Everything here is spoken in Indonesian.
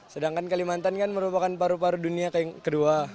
sedangkan kalimantan kan merupakan paru paru dunia kedua